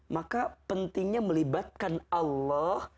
maka pentingnya melibatkan allah